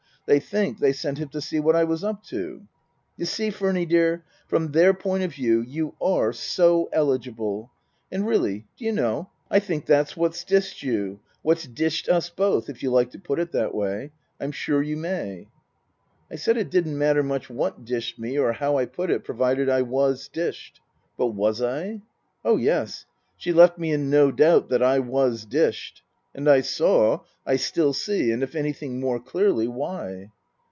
They think they sent him to see what I was up to. You see, Furny dear, from their point of view you are so eligible. And really, do you know, I think that's what's dished you what's dished us both, if you like to put it that way. I'm sure you may." I said it didn't matter much what dished me or how I put it, provided I was dished. But was I ? Oh, yes ! She left me in no doubt that I was dished. And I saw I still see, and if anything more clearly why.